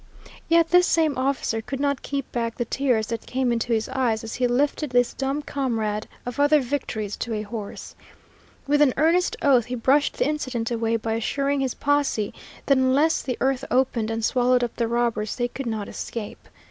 Yet this same officer could not keep back the tears that came into his eyes as he lifted this dumb comrade of other victories to a horse. With an earnest oath he brushed the incident away by assuring his posse that unless the earth opened and swallowed up the robbers they could not escape.